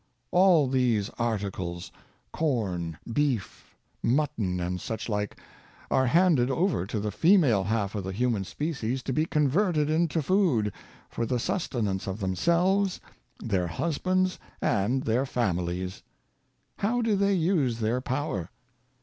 All these articles — corn, beef, mutton and such like — are handed over to the female half of the human species to be converted into food, for the susten ance of themselves, their husbands, and their families. How do they use their power